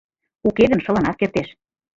Уке гын шылынат кертеш.